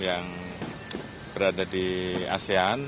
yang berada di asean